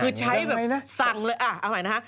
คือใช้แบบสั่งเลยเอาใหม่นะฮะ